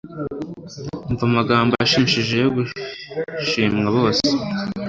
Umva Amagambo ashimishije yo gushimwa bose